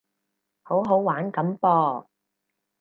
好好玩噉噃